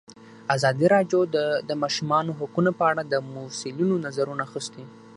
ازادي راډیو د د ماشومانو حقونه په اړه د مسؤلینو نظرونه اخیستي.